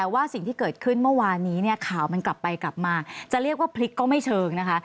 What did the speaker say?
ว่าสิ่งที่เกิดขึ้นเมื่อวานนี้เนี่ยข่าวมันกลับไปกลับมาจะเรียกว่าพลิกก็ไม่เชิงนะคะ